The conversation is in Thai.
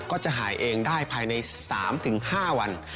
ก็จะหายเองได้ภายใน๓๕วัน